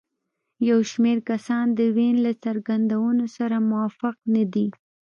یو شمېر کسان د وین له څرګندونو سره موافق نه دي.